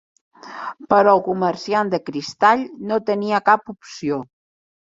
Però el comerciant de cristall no tenia cap opció.